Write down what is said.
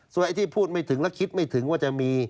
ไอ้ที่พูดไม่ถึงแล้วคิดไม่ถึงว่าจะมี